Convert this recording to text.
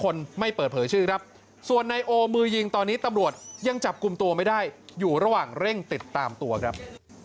คนไม่เปิดเผยชื่อครับส่วนนายโอมือยิงตอนนี้ตำรวจยังจับกลุ่มตัวไม่ได้อยู่ระหว่างเร่งติดตามตัวครับ